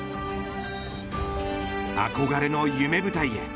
憧れの夢舞台へ。